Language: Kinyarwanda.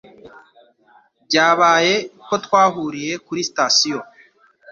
Byabaye ko twahuriye kuri sitasiyo.